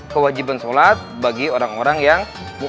kewajiban sholat bagi orang orang yang